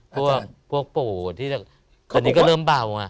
พวกพวกโป๋อะที่แต่นี้ก็เริ่มเบาอ่ะ